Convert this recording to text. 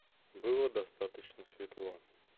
Было достаточно светло.